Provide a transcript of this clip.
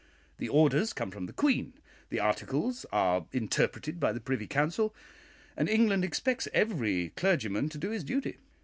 The 'orders' come from the Queen, the 'Articles' are interpreted by the Privy Council, and 'England expects every clergyman to do his duty.'